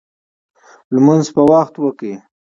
لمونځ په وخت وکړئ